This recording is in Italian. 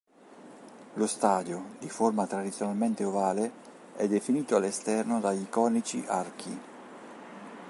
Lo stadio, di forma tradizionalmente ovale, è definito all'esterno da iconici archi.